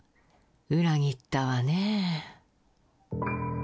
「裏切ったわねえ」